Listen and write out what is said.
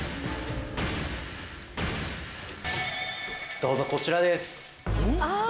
どうぞこちらです。